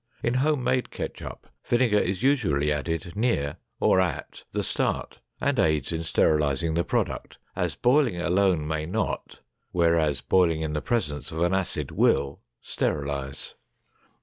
In home made ketchup, vinegar is usually added near, or at, the start, and aids in sterilizing the product, as boiling alone may not, whereas, boiling in the presence of an acid will, sterilize.